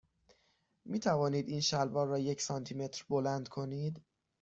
می توانید این شلوار را یک سانتی متر بلند کنید؟